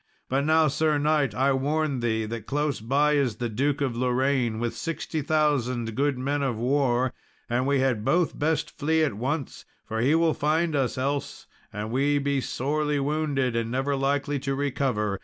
But now, Sir knight, I warn thee that close by is the Duke of Lorraine, with sixty thousand good men of war; and we had both best flee at once, for he will find us else, and we be sorely wounded and never likely to recover.